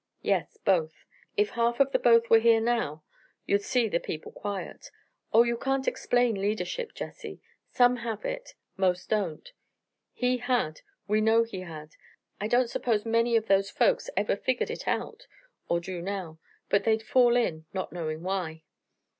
"Yes, both. If half of the both were here now you'd see the people quiet. Oh, you can't explain leadership, Jesse! Some have it, most don't. He had. We know he had. I don't suppose many of those folks ever figured it out, or do now. But they'd fall in, not knowing why."